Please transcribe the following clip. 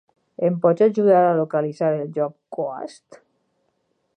Em pots ajudar a localitzar el joc, Coast?